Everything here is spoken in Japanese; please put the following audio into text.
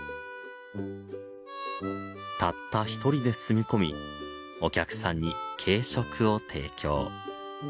たった一人で住み込みお客さんに軽食を提供。